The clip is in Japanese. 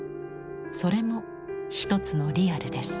それも一つのリアルです。